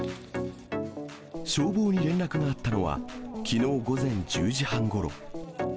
消防に連絡があったのは、きのう午前１０時半ごろ。